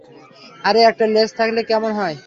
আরে একটা লেজ থাকলে কেমন হয়?